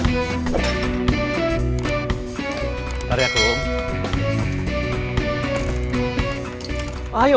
tidak ada alasan lebih bagus